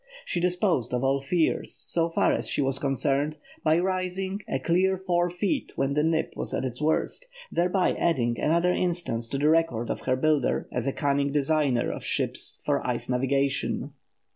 She disposed of all fears, so far as she was concerned, by rising a clear four feet when the nip was at its worst, thereby adding another instance to the record of her builder as a cunning designer of ships for ice navigation.